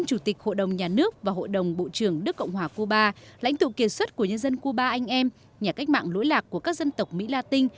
của nhân dân cuba anh em nhà cách mạng lỗi lạc của các dân tộc mỹ la tinh